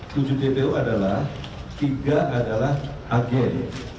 tujuh jpo adalah tiga adalah agen